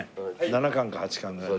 ７貫か８貫ぐらい。